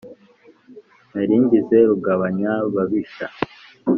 narigize rugabanyababisha.